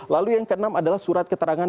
lalu yang ke enam adalah surat keterangan